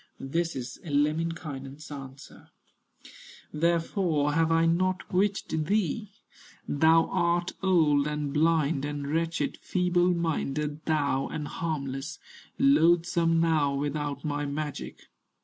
This is Lemminkainen's answer: "Therefore have I not bewitched thee: Thou art old, and blind, and wretched Feeble minded thou, and harmless, Loathsome now without my magic.